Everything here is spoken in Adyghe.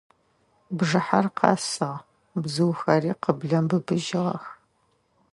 Бжыхьэр къэсыгъ, бзыухэри къыблэм быбыжьыгъэх.